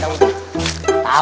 iau dijorta ke kira di tengah